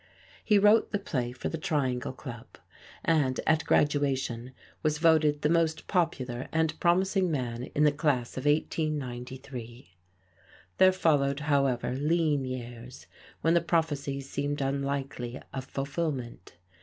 He wrote the play for the Triangle Club, and, at graduation, was voted the most popular and promising man in the Class of 1893. There followed, however, lean years, when the prophecies seemed unlikely of fulfillment.